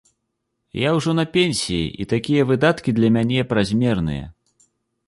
Я ўжо на пенсіі, і такія выдаткі для мяне празмерныя.